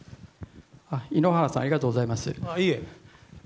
井ノ原さんありがとうございます。